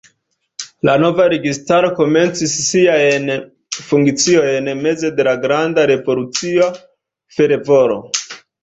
La nova registaro komencis siajn funkciojn meze de granda revolucia fervoro.